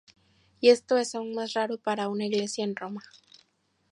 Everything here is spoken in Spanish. Y esto es aún más raro para una iglesia en Roma.